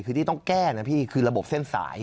คือที่ต้องแก้นะพี่คือระบบเส้นสาย